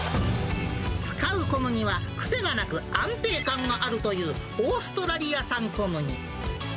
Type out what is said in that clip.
使う小麦は癖がなく安定感があるというオーストラリア産小麦。